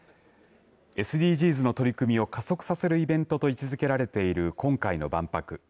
ＳＤＧｓの取り組みを加速させるイベントと位置づけられている今回の万博。